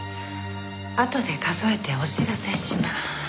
あとで数えてお知らせしまーす。